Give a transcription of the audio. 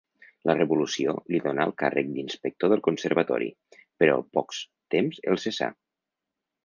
La Revolució li donà el càrrec d'inspector del Conservatori, però al pocs temps el cessà.